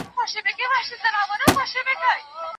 هر څوک غواړي چې د خپل شخصیت په اړه ډېر پوه سي.